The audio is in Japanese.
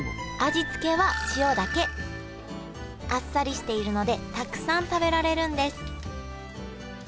味付けはあっさりしているのでたくさん食べられるんです